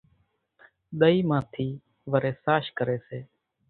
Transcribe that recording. ۮئِي مان ٿِي وريَ ساش ڪريَ سي۔